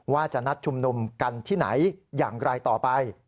ว่าจะนัดชุมนุมกันที่ไหนอย่างไรต่อไป